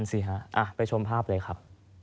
สิฮะไปชมภาพเลยครับ